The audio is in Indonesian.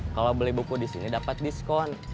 kalau beli buku di sini dapat diskon